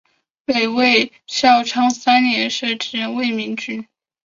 北魏孝昌三年设置魏明郡。